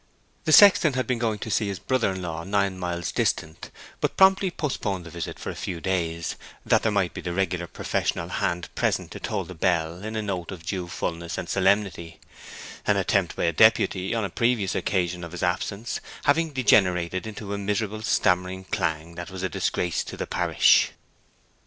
The sexton had been going to see his brother in law, nine miles distant, but promptly postponed the visit for a few days, that there might be the regular professional hand present to toll the bell in a note of due fulness and solemnity; an attempt by a deputy, on a previous occasion of his absence, having degenerated into a miserable stammering clang that was a disgrace to the parish.